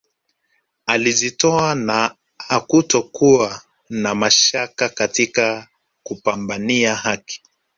Alijitoa na hakutokuwa na mashaka katika kupambania haki